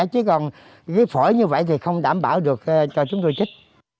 chứ còn cái phổi như vậy thì không đảm bảo được cho chúng tôi chích